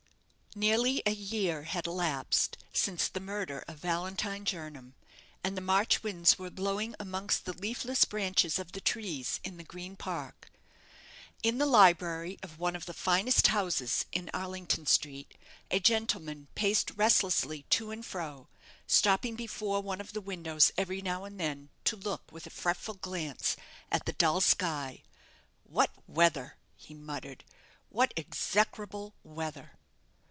Nearly a year had elapsed since the murder of Valentine Jernam, and the March winds were blowing amongst the leafless branches of the trees in the Green Park. In the library of one of the finest houses in Arlington Street, a gentleman paced restlessly to and fro, stopping before one of the windows every now and then, to look, with a fretful glance, at the dull sky. "What weather!" he muttered: "what execrable weather!"